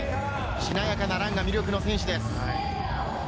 しなやかなランが魅力の選手です。